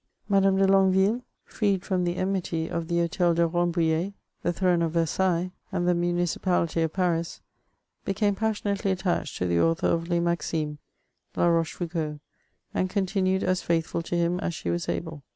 Madame de Longueyille, freed from the enmity of the Hdtel de Rambouillet, the throne of Versailles, and the municipahty of Paris, became passionately attached to the author of Les Mcucimes (Larochefoucauld), and continued as faithful to him as she was able.